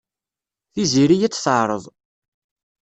Tiziri ad t-teɛreḍ.